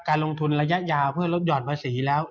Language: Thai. ลงทุนระยะยาวเพื่อลดห่อนภาษีแล้ว